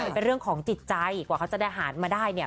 มันเป็นเรื่องของจิตใจกว่าเขาจะได้อาหารมาได้เนี่ย